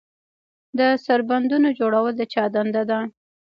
د سربندونو جوړول د چا دنده ده؟